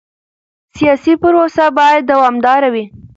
سیاسي پروسه باید دوامداره وي